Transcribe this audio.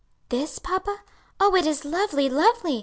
"This, papa? Oh it is lovely, lovely!